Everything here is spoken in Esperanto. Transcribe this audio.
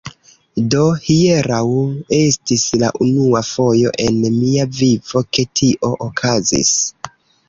Do hieraŭ, estis la unua fojo en mia vivo, ke tio okazis.